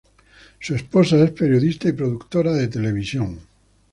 Su esposa es periodista y productora de televisión.